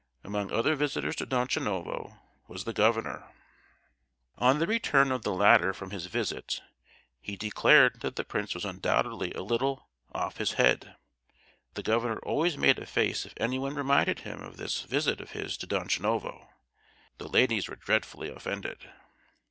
Among other visitors to Donchanovo was the Governor. On the return of the latter from his visit, he declared that the prince was undoubtedly a little "off his head." The Governor always made a face if anyone reminded him of this visit of his to Donchanovo. The ladies were dreadfully offended.